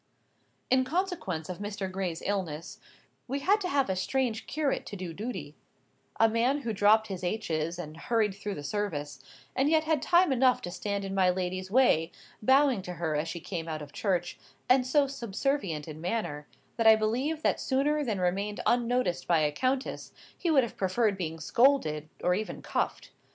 In consequence of Mr. Gray's illness, we had to have a strange curate to do duty; a man who dropped his h's, and hurried through the service, and yet had time enough to stand in my Lady's way, bowing to her as she came out of church, and so subservient in manner, that I believe that sooner than remain unnoticed by a countess, he would have preferred being scolded, or even cuffed.